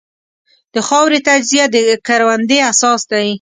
د خاورې تجزیه د کروندې اساس دی.